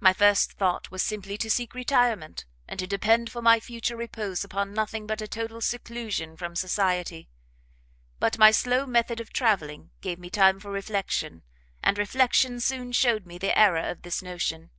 "My first thought was simply to seek retirement, and to depend for my future repose upon nothing but a total seclusion from society: but my slow method of travelling gave me time for reflection, and reflection soon showed me the error of this notion.